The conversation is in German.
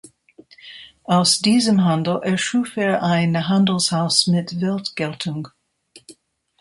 Aus diesem Handel erschuf er ein Handelshaus mit Weltgeltung.